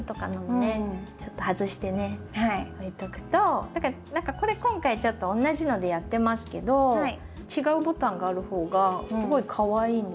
置いとくとこれ今回ちょっと同じのでやってますけど違うボタンがある方がすごいかわいいんです。